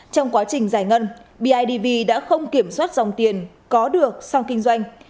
trong quá trình giải ngân bidv đã không kiểm soát dòng tiền có được sau kinh doanh